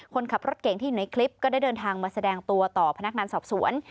คนขับรถเก่งที่อยู่ในคลิปก็ได้เดินทางมาแสดงตัวต่อพนักงานสอบสวน